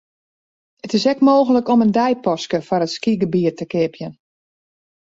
It is ek mooglik om in deipaske foar it skygebiet te keapjen.